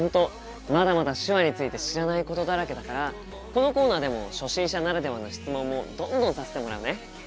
まだまだ手話について知らないことだらけだからこのコーナーでも初心者ならではの質問もどんどんさせてもらうね。